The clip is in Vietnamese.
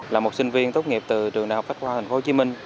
là một sinh viên tốt nghiệp từ trường đại học bách khoa tp hcm